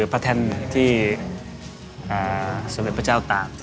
พระเท่นที่สมัยพระเจ้าต่าง